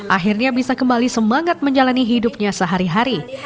akhirnya bisa kembali semangat menjalani hidupnya sehari hari